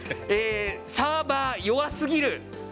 サーバー弱すぎる。